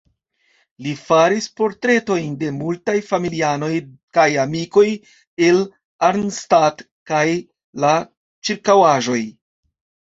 Li faris portretojn de multaj familianoj kaj amikoj el Arnstadt kaj la ĉirkaŭaĵoj.